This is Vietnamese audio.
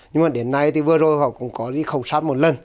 nhưng mà đến nay thì vừa rồi họ cũng có đi khảo sát một lần